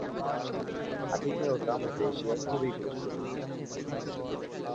আতিথেয়তা মধ্য এশিয়ায় খুবই গুরুত্বপূর্ণ।